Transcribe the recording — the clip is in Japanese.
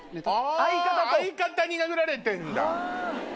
あ相方に殴られてんだ。